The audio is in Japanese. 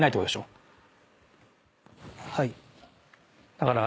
だから。